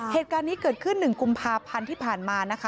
เหตุการณ์นี้เกิดขึ้น๑กุมภาพันธ์ที่ผ่านมานะคะ